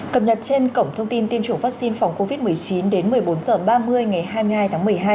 cập nhật trên cổng thông tin tiêm chủng vaccine phòng covid một mươi chín đến một mươi bốn h ba mươi ngày hai mươi hai tháng một mươi hai